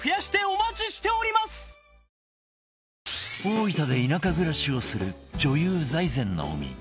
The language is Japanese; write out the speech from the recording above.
大分で田舎暮らしをする女優財前直見